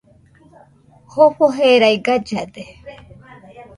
Jofo jerai gallade